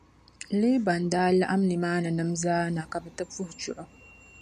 Leeban daa laɣim nimaaninim’ zaa na ka bɛ ti puhi chuɣu.